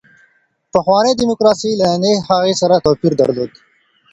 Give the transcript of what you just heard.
پخوانۍ دیموکراسي له نننۍ هغې سره توپیر درلود.